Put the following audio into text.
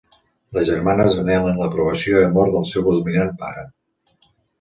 Les germanes anhelen l'aprovació i amor del seu dominant pare.